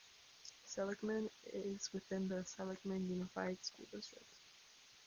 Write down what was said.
Seligman is within the Seligman Unified School District.